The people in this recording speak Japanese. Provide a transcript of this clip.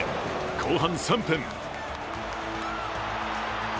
後半３分。